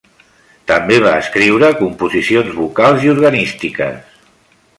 També va escriure composicions vocals i organístiques.